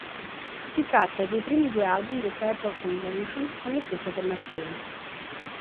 Si tratta dei primi due album dei Fairport Convention con la stessa formazione.